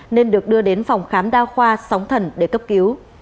nên được đưa đến phòng khám đa khoa sóng thần để cấp cứu